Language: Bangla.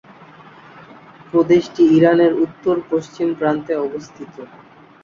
প্রদেশটি ইরানের উত্তর-পশ্চিম প্রান্তে অবস্থিত।